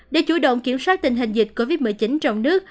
để chủ động kiểm soát tình hình dịch covid một mươi chín trong nước